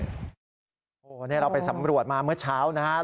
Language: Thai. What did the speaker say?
แหว่งกันเราไปสำรวจมาเมื่อเช้านะครับ